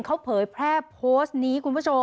เขาเปิยแพร่โพสต์นี้